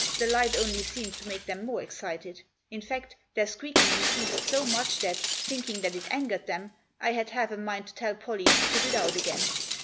The light only seemed to make them more excited. In fact, their squeaking increased so much that, thinking that it angered them, I had half a mind to tell Pollie to put it out again.